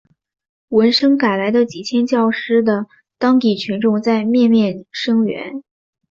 闻声赶来的几千教师的当地群众在面面声援。